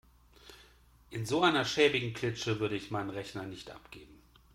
In so einer schäbigen Klitsche würde ich meinen Rechner nicht abgeben.